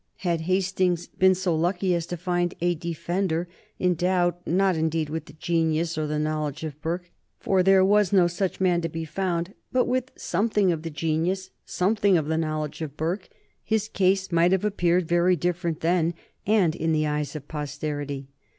Had Hastings been so lucky as to find a defender endowed, not indeed with the genius or the knowledge of Burke, for there was no such man to be found, but with something of the genius, something of the knowledge of Burke, his case might have appeared very different then and in the eyes of posterity.